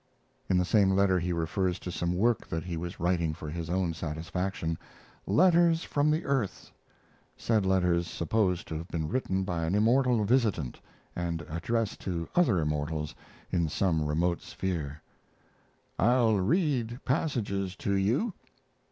In the same letter he refers to some work that he was writing for his own satisfaction 'Letters from the Earth'; said letters supposed to have been written by an immortal visitant and addressed to other immortals in some remote sphere. I'll read passages to you.